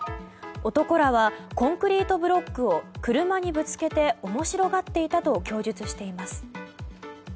男らはコンクリートブロックを車にぶつけて面白がっていたと供述しています。